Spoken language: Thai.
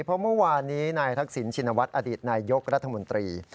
เพราะเมื่อวานนี้นายทักษิณชินวัฒน์อดีตนายยกรัฐมนตรี